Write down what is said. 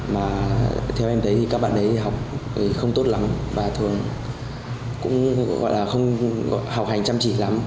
mà theo em đấy thì các bạn đấy học không tốt lắm và thường cũng gọi là không học hành chăm chỉ lắm